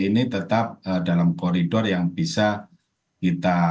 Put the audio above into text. ini tetap dalam koridor yang bisa kita